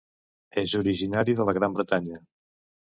És originari de la Gran Bretanya.